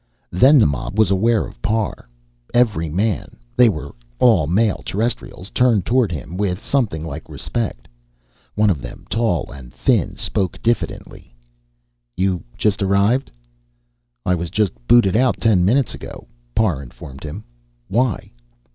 Then the mob was aware of Parr. Every man they were all male Terrestrials turned toward him, with something like respect. One of them, tall and thin, spoke diffidently: "You just arrived?" "I was just booted out, ten minutes ago," Parr informed him. "Why?"